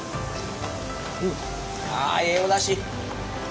あええおだし。